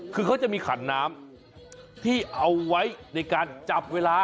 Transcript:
คือเขาจะมีขันน้ำที่เอาไว้ในการจับเวลา